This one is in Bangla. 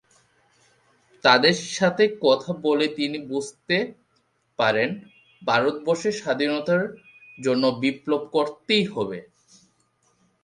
তাদের সাথে কথা বলে তিনি বুঝতে পারেন, ভারতবর্ষের স্বাধীনতার জন্য বিপ্লব করতেই হবে।